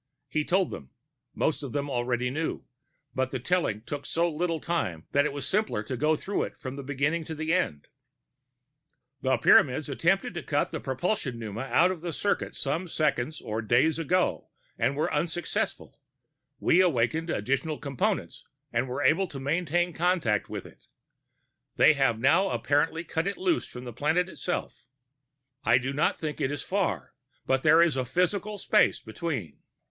He told them most of them already knew, but the telling took so little time that it was simpler to go through it from beginning to end: "The Pyramids attempted to cut the propulsion pneuma out of circuit some seconds or days ago and were unsuccessful; we awakened additional Components and were able to maintain contact with it. They have now apparently cut it loose from the planet itself. I do not think it is far, but there is a physical space between."